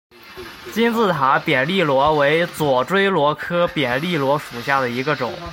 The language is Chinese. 金字塔扁粒螺为左锥螺科扁粒螺属下的一个种。